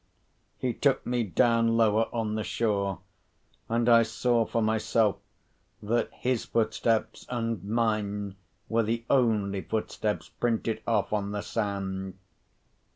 He took me down lower on the shore, and I saw for myself that his footsteps and mine were the only footsteps printed off on the sand.